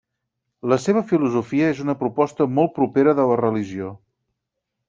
La seva filosofia és una proposta molt propera de la Religió.